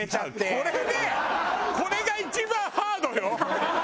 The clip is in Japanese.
これねこれが一番ハードよ。